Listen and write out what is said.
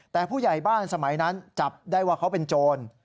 แต่ผู้ใหญ่บ้านสมัยนั้นจับได้ว่าเขาเป็นโจร